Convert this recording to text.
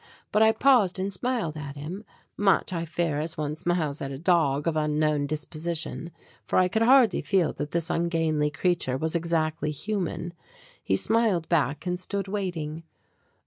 But I paused and smiled at him, much, I fear, as one smiles at a dog of unknown disposition, for I could hardly feel that this ungainly creature was exactly human. He smiled back and stood waiting.